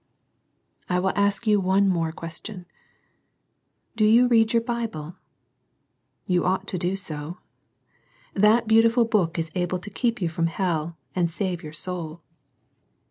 I will ask you one more question, — Do you read your Bible ? You ought to do so. That beautiful book is able to keep you from hell and save your soul.